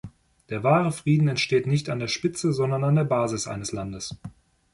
Der wahre Frieden entsteht nicht an der Spitze, sondern an der Basis eines Landes.